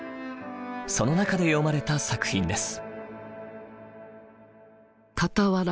その中で詠まれた作品です。